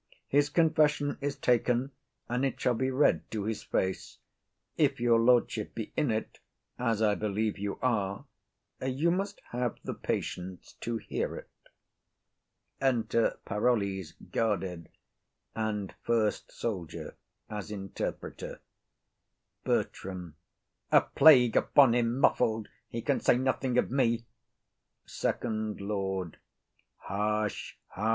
His confession is taken, and it shall be read to his face; if your lordship be in't, as I believe you are, you must have the patience to hear it. Enter Soldiers with Parolles. BERTRAM. A plague upon him! muffled! he can say nothing of me; hush, hush! FIRST LORD.